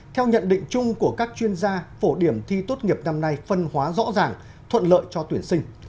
theo nhận định chung của các chuyên gia phổ điểm thi tốt nghiệp năm nay phân hóa rõ ràng thuận lợi cho tuyển sinh